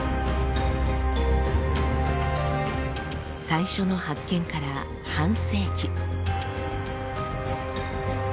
最初の発見から半世紀。